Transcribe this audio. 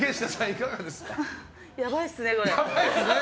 やばいっすね、これ。